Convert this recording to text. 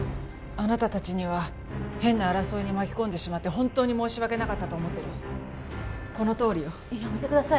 あなた達には変な争いに巻き込んでしまって本当に申し訳なかったと思ってるこのとおりよやめてください